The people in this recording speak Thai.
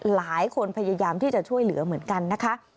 หลายคนพยายามที่จะช่วยเหลือเหมือนกันนะคะ